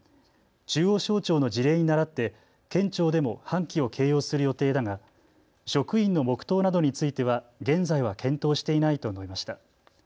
中央省庁の事例にならって県庁でも半旗を掲揚する予定だが職員の黙とうなどについては現在は検討していないと述べました。